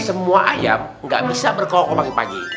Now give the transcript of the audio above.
semua ayam nggak bisa berkokok pagi pagi